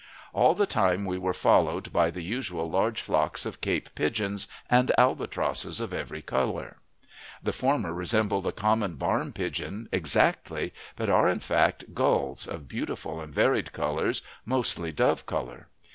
All the time we were followed by the usual large flocks of Cape pigeons and albatrosses of every color. The former resembled the common barn pigeon exactly, but are in fact gulls of beautiful and varied colors, mostly dove color.